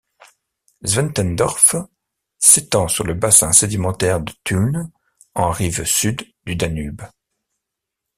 Zwentendorf s'étend sur le bassin sédimentaire de Tulln, en rive sud du Danube.